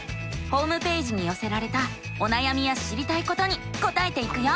ホームページによせられたおなやみや知りたいことに答えていくよ。